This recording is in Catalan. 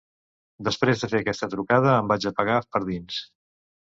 Després de fer aquesta trucada em vaig apagar per dins.